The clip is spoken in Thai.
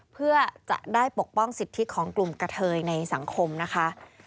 เพื่อจะได้ปกป้องสิทธิของกลุ่มกะเทยในสังคมนะคะ